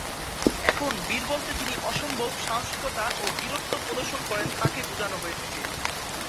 এখন বীর বলতে যিনি অসম্ভব সাহসিকতা ও বীরত্ব প্রদর্শন করেন তাকে বুঝানো হয়ে থাকে।